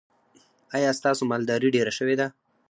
ایا ستاسو مالداري ډیره شوې ده؟